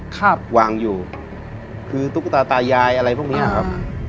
ครับวางอยู่คือตุ๊กตาตายายอะไรพวกเนี้ยครับ